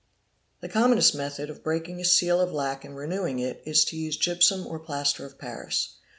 The commonest method of breaking a seal of lac and renewing it is to use gypsum or plaster of paris.